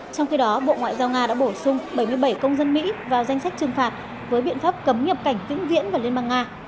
trong khi đó bộ ngoại giao nga đã bổ sung bảy mươi bảy công dân mỹ vào danh sách trừng phạt với biện pháp cấm nhập cảnh vĩnh viễn vào liên bang nga